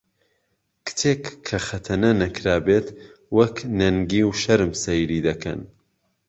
کچێک کە خەتەنە نەکرابێت وەک نەنگی و شەرم سەیری دەکەن